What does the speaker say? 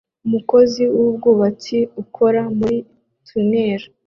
Umukozi wubwubatsi ukora muri tunnel